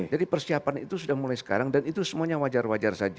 jadi persiapan itu sudah mulai sekarang dan itu semuanya wajar wajar saja